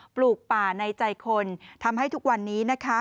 ปลูกป่าในใจคนทำให้ทุกวันนี้นะคะ